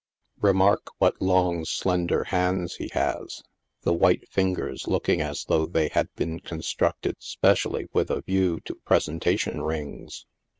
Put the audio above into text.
Remark what long slender hands he has, the white fingers looking as though they had been constructed spe cially with a view to presentation rings.